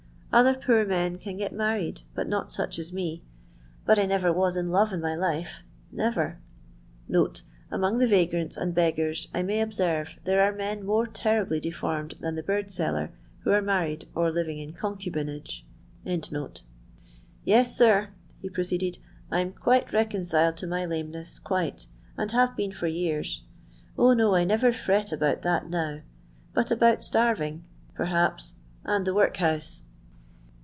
Other poor men can get married, but net such as me. But I never was in leva in mj lift never." [Among the vagranta and begnnTi may observe, there are men more terribly dSondtA than the bird seller, who are married, or liviiy ia concubinage.] Tes, sir," he proceeded^ ''T ^ quite reconciled to my lameness, qnite ; and have been for years. 0, no, I never fret about thai now ; but about starving, perhaps, and tiio worit house.